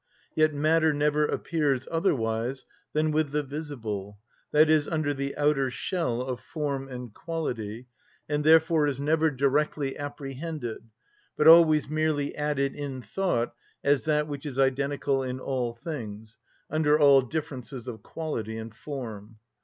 Yet matter never appears otherwise than with the visible, i.e., under the outer shell of form and quality, and therefore is never directly apprehended, but always merely added in thought as that which is identical in all things, under all differences of quality and form.